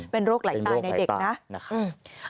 เป็นโรคไหลตาในเด็กนะเป็นโรคไหลตา